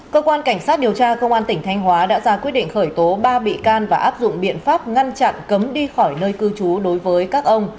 cơ quan cảnh sát điều tra công an tỉnh thanh hóa đã ra quyết định khởi tố ba bị can và áp dụng biện pháp ngăn chặn cấm đi khỏi nơi cư trú đối với các ông